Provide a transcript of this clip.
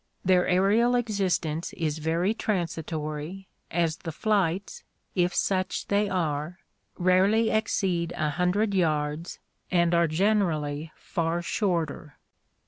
Their aerial existence is very transitory, as the flights, if such they are, rarely exceed a hundred yards and are generally far shorter.